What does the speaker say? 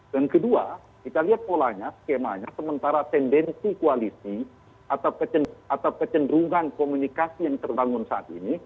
kedua kita lihat polanya skemanya sementara tendensi koalisi atau kecenderungan komunikasi yang terbangun saat ini